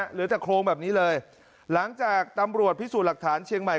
เหลือแต่โครงแบบนี้เลยหลังจากตำรวจพิสูจน์หลักฐานเชียงใหม่